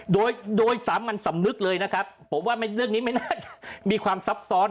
โดยโดยสามัญสำนึกเลยนะครับผมว่าเรื่องนี้ไม่น่าจะมีความซับซ้อน